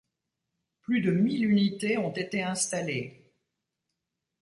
Plus de mille unités ont été installées.